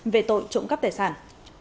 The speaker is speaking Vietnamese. về tội trụng cấp tài sản